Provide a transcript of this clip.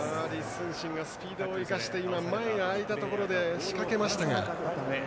李承信がスピードを生かし前が空いたところ仕掛けましたが。